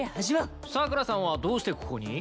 サクラさんはどうしてここに？